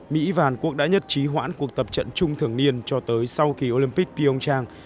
mỹ và hàn quốc đã nhất trí hoãn cuộc tập trận chung thường niên cho tới sau kỳ olympic pyeongchang